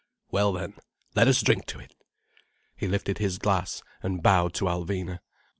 Well then, let us drink to it." He lifted his glass, and bowed to Alvina.